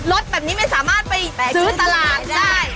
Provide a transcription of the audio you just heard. รถแบบนี้ไม่สามารถไปขึ้นตลาดได้